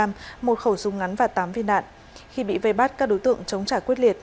một khẩu súng ngắn và tám viên đạn khi bị vây bắt các đối tượng chống trả quyết liệt